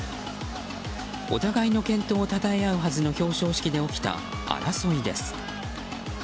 お互いの健闘をたたえ合うはずの表彰式で起きた争いです。